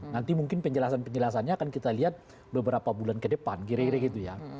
nanti mungkin penjelasan penjelasannya akan kita lihat beberapa bulan ke depan kira kira gitu ya